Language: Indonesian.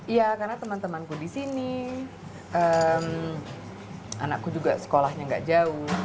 iya karena teman temanku di sini anakku juga sekolahnya gak jauh